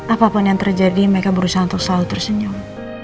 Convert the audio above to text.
apapun yang terjadi mereka berusaha untuk selalu tersenyum